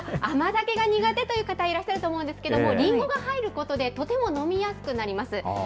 甘酒が苦手な方、いらっしゃると思うんですけれども、りんごが入ることでとても飲みやすくなります。